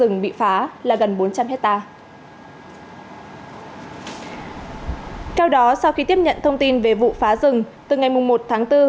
rừng bị phá là gần bốn trăm linh hectare sau đó sau khi tiếp nhận thông tin về vụ phá rừng từ ngày một tháng bốn